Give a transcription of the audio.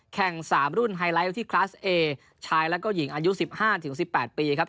แข่งสามรุ่นไฮไลท์ที่คลาสเอชายแล้วก็หญิงอายุสิบห้าถึงสิบแปดปีครับ